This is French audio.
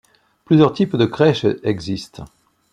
Plusieurs types de crèches existent.